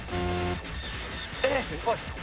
えっ？